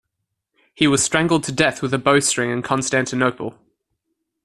He was strangled to death with a bowstring in Constantinople.